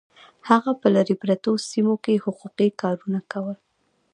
هغه په لرې پرتو سیمو کې حقوقي کارونه کول